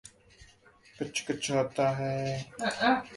He was secretary of the Royal Swedish Society of Sciences in Uppsala.